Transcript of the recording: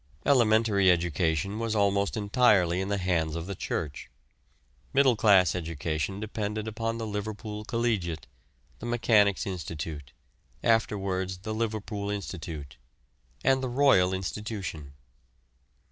Elementary education was almost entirely in the hands of the Church; middle class education depended upon the Liverpool Collegiate, the Mechanic's Institute, afterwards the Liverpool Institute, and the Royal Institution.